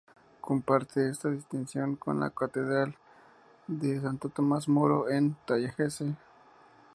Comparte esta distinción con la Co-Catedral de Santo Tomás Moro en Tallahassee.